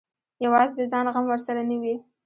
یوازې د ځان غم ورسره نه وي.